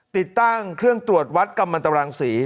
ติดตั้งเครื่องตรวจวัดกำลังตรังศรี